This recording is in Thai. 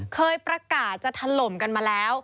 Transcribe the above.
เคยประกาศจะถล่มกันมาแล้ว